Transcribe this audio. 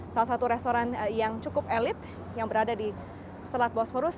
salah satu restoran yang cukup elit yang berada di selat bosphorus